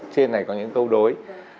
trên này có những câu đối